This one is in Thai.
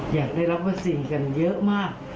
อยากได้รับประสิทธิ์กันเยอะมาก